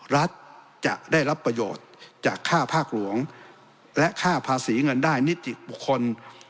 รัฐจะได้รับประโยชน์จากค่าภาคหลวงและค่าภาษีเงินได้นิติบุคคล